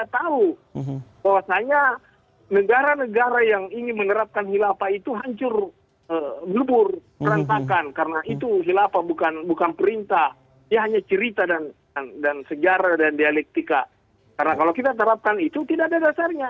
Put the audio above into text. karena kalau kita terapkan itu tidak ada dasarnya